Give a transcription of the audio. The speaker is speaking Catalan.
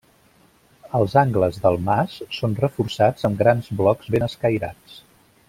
Els angles del mas són reforçats amb grans blocs ben escairats.